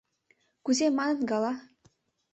Кузе маныт гала?